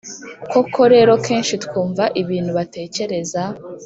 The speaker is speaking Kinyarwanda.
koko rero kenshi twumva ibintu batekereza,